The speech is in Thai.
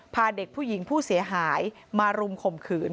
พาเด็กผู้หญิงผู้เสียหายมารุมข่มขืน